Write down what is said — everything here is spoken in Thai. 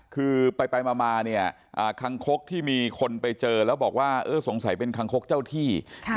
คือไปมาเนี่ยคังคกที่มีคนไปเจอแล้วบอกว่าเออสงสัยเป็นคังคกเจ้าที่